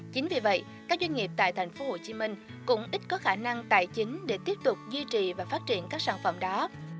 chính vì vậy các doanh nghiệp tại tp hcm cũng ít có khả năng tài chính để tiếp tục duy trì và phát triển các sản phẩm đó